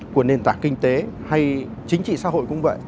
của nền tảng kinh tế hay chính trị xã hội cũng vậy